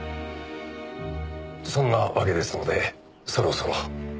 そんなわけですのでそろそろ。